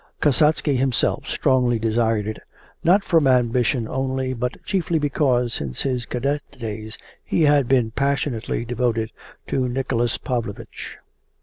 Kasatsky himself strongly desired it, not from ambition only but chiefly because since his cadet days he had been passionately devoted to Nicholas Pavlovich.